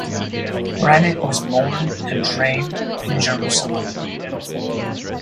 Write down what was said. Granit was born and trained in Jerusalem.